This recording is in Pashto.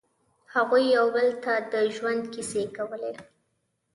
هغوی یو بل ته د ژوند کیسې کولې.